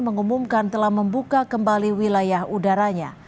mengumumkan telah membuka kembali wilayah udaranya